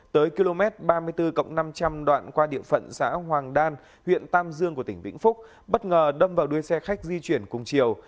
tới km ba mươi bốn năm trăm linh đoạn qua địa phận xã hoàng đan huyện tam dương của tỉnh vĩnh phúc bất ngờ đâm vào đuôi xe khách di chuyển cùng chiều